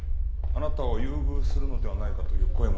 あなたを優遇するのではないかという声もあったようですが。